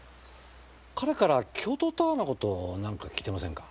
彼から京都タワーの事何か聞いてませんか？